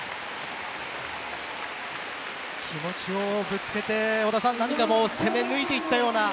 気持ちをぶつけて織田さん何かもう攻め抜いていったような。